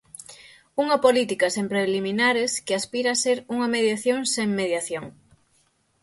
Unha política sen preliminares que aspira a ser unha mediación sen mediación.